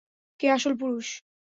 কে আসল পুরুষ?